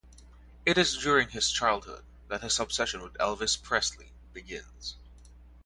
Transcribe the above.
It is during his childhood that his obsession with Elvis Presley begins.